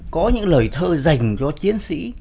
có những lời thơ dành cho chiến sĩ